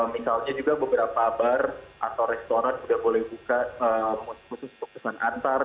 misalnya juga beberapa bar atau restoran sudah boleh buka khusus untuk pesan antar